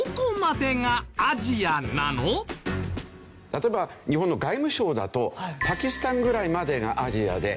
例えば日本の外務省だとパキスタンぐらいまでがアジアで。